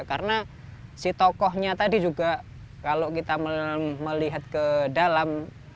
karena si tokohnya tadi juga kalau kita melihat ke dalam